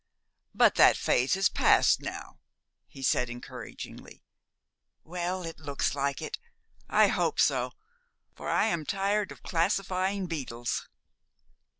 "But that phase has passed now," he said encouragingly. "Well, it looks like it. I hope so; for I am tired of classifying beetles."